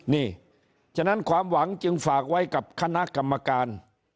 นี่ฉะนั้นความหวังจึงฝากไว้กับคณะกรรมการ